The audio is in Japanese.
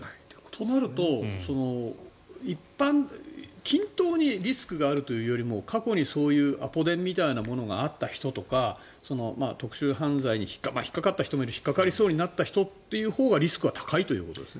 となると均等にリスクがあるというよりも過去にそういうアポ電みたいなものがあった人とか特殊犯罪に引っかかった人もいるし引っかかりそうなった人のほうがリスクは高いということですね。